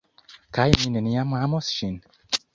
kaj mi neniam amos ŝin!